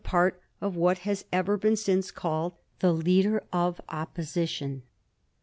335 part of what has ever since been called the Leader of Opposition.